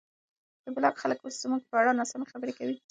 د بلاک خلک اوس زموږ په اړه ناسمې خبرې کوي.